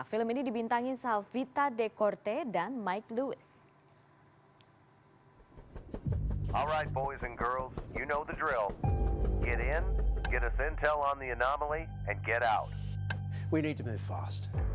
film ini dibintangin salvita de corte dan mike lewis